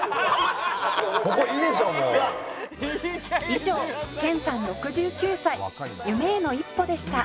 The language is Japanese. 「以上研さん６９歳夢への一歩でした」